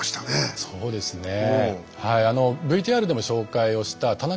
そうですねえ。